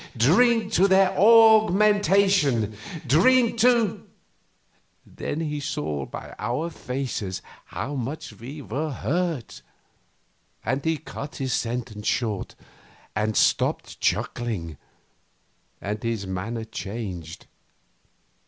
Drink to their augmentation! Drink to " Then he saw by our faces how much we were hurt, and he cut his sentence short and stopped chuckling, and his manner changed.